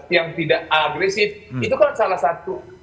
yang tidak agresif itu kan salah satu